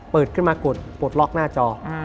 เปิดขึ้นมากดล็อกหน้าจอ